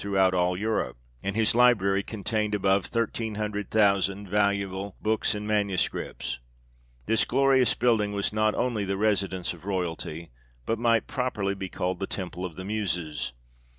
throughout all Europe ; and his library contained above thirteen hundred thousand valuable books and manu scripts. This glorious building was not only the residence of royalty, but might properly be called the Temple of the Muses.